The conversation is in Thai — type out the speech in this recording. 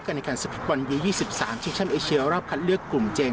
กันในการสภิกษ์บอลวิว๒๓ชิงชั่นเอเชียรอบคัดเลือกกลุ่มเจง